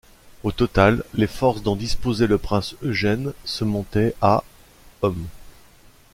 Au total, les forces dont disposait le prince Eugène se montaient à hommes.